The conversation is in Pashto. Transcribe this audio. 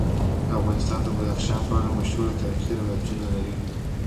افغانستان د بدخشان په اړه مشهور تاریخی روایتونه لري.